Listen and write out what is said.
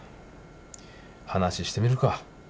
話してみるか。